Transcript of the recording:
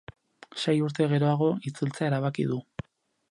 Sei urte geroago, itzultzea erabaki du.